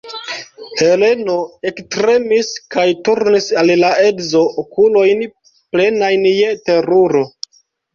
Heleno ektremis kaj turnis al la edzo okulojn, plenajn je teruro.